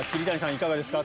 いかがですか？